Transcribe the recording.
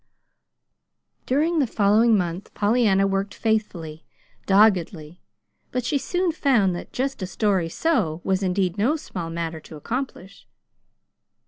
During the following month Pollyanna worked faithfully, doggedly, but she soon found that "just a story, so" was indeed no small matter to accomplish.